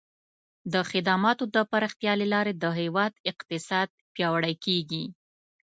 د خدماتو د پراختیا له لارې د هیواد اقتصاد پیاوړی کیږي.